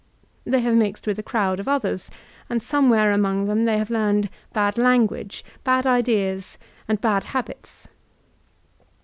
They have mixed with a crowd of others, and somewhere among them they have learned bad language, bad ideas, and bad habits.